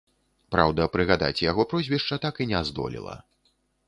Праўда, прыгадаць яго прозвішча так і не здолела.